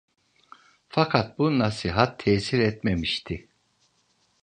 Fakat bu nasihat tesir etmemişti.